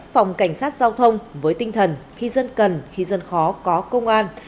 phòng cảnh sát giao thông với tinh thần khi dân cần khi dân khó có công an